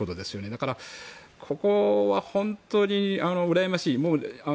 だからここは本当にうらやましい。